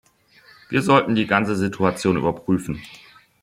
Wir sollten die ganze Situation überprüfen.